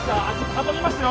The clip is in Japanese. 運びますよ